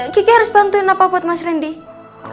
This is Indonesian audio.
kiki harus bantuin apa buat mas randy